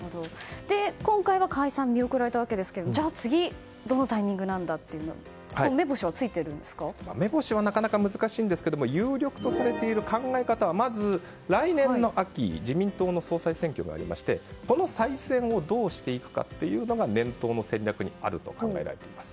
今回は解散が見送られたわけですがじゃあ、次どのタイミングなんだと目星はなかなか難しいんですが有力とされている考え方はまず、来年の秋に自民党の総裁選挙がありましてこの再選をどうしていくかが念頭の戦略にあると考えられています。